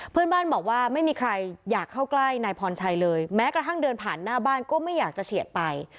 เพื่อนบ้านบอกว่าไม่มีใครอยากเข้าใกล้นายพรชัยเลยแม้กระทั่งเดินผ่านหน้าบ้านก็ไม่อยากจะเฉียดไป